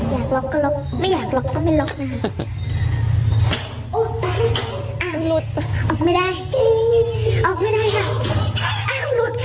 อยากล๊อคก็ล๊อคไม่อยากล๊อคก็ไม่ล๊อคน่ะอุ๊ยอ้าวลุดออกไม่ได้ออกไม่ได้ค่ะ